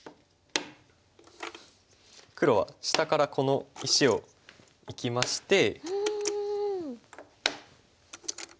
黒は下からこの石を生きまして。